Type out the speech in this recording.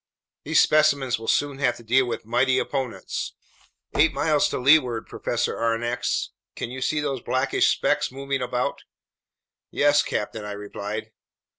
These specimens will soon have to deal with mighty opponents. Eight miles to leeward, Professor Aronnax, can you see those blackish specks moving about?" "Yes, captain," I replied.